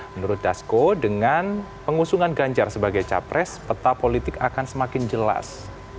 menurut dasko dengan pengusungan ganjar sebagai capres peta politik akan semakin jelas